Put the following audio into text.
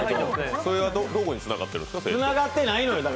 それはどこにつながってるんですか？